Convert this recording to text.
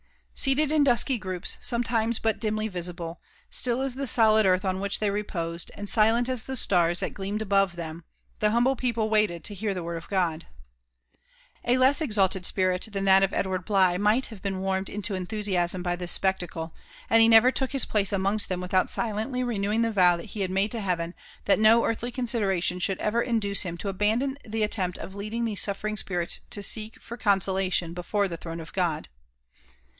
Sealed in dusky groups, sometimes bpt dimly visible, still ^ the so» lid earth on which they reposed, and silent as ibe jtars that gleaoand above them, the bumble people waited to bear ihid wprd of God. A less exalte^ ^int than that of £dward Bligb migh^ bav^e been warmed into enthusiasm by this q^eclade ; and he never 4aok his place amongst them witheut silently renewing the vow he bad madi to Heaven that no earthly consideration should ever imduce bim 49 abandon the attempt of leading these suffering spirits to seek for ^onr^ solation before the throne of God.